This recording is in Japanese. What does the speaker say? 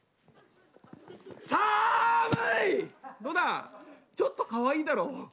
どうだちょっとかわいいだろう。